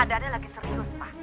dadah lagi serius pak